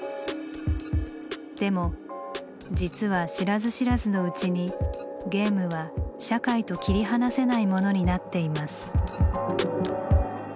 でも実は知らず知らずのうちにゲームは社会と切り離せないものになっています。